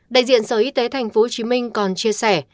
đại diện sở y tế tp hcm còn chia sẻ